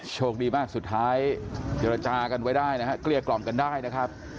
โชคดีมากสุดท้ายเจรจากันไว้ได้นะฮะเกลี้ยกล่อมกันได้นะครับ